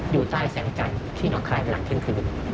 อยู่ใต้แสงจันทร์ที่หนองคายหลังเที่ยงคืน